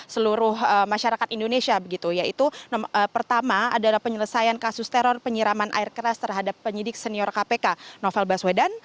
seluruh masyarakat indonesia begitu yaitu pertama adalah penyelesaian kasus teror penyiraman air keras terhadap penyidik senior kpk novel baswedan